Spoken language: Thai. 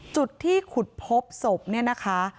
จุดที่ขุดพบศพเนี่ยนะคะ